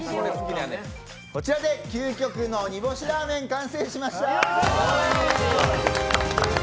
こちらで究極の煮干しラーメン完成しました！